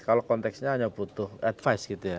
kalau konteksnya hanya butuh advice